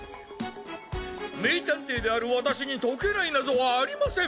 名探偵である私に解けない謎はありません。